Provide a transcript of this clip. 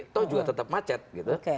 toh juga tetap macet gitu